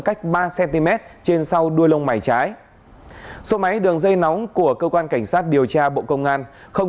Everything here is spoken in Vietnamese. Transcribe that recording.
cách ba cm trên sau đuôi lông mày trái số máy đường dây nóng của cơ quan cảnh sát điều tra bộ công an không